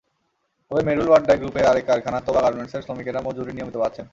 তবে মেরুল বাড্ডায় গ্রুপের আরেক কারখানা তোবা গার্মেন্টসের শ্রমিকেরা মজুরি নিয়মিত পাচ্ছেন।